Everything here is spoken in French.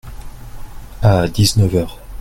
À dix-neuf heures.